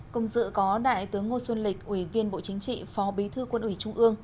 cùng dự có đại tướng ngô xuân lịch ủy viên bộ chính trị phó bí thư quân ủy trung ương